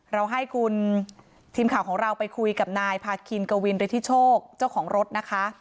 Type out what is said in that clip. เราให้คุณทีมข่าวของเราไปคุยกับนายพาคินกวินฤทธิโชคเจ้าของรถนะคะ